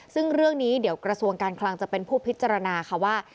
ซึ่งเรื่องนี้เดี๋ยวกระทรวงการคลังจะเป็นผู้พิจารณาค่ะว่า